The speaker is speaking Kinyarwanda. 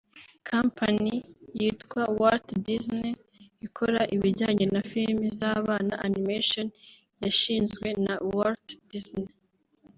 Company yitwa 'Walt Disney' ikora ibijyanye na filime z'abana(animation) yashinzwe na 'Walt Disney'